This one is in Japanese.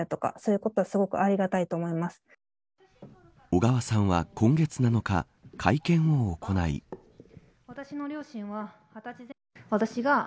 小川さんは今月７日会見を行い。